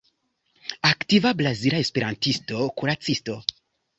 Aktiva brazila esperantisto, kuracisto.